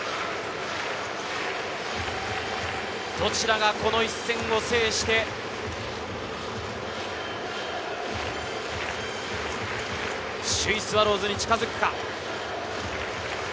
どちらがこの一戦を制して首位スワローズに近づくか。